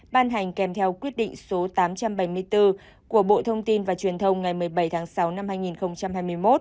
ban hành kèm theo quyết định số tám trăm bảy mươi bốn của bộ thông tin và truyền thông ngày một mươi bảy tháng sáu năm hai nghìn hai mươi một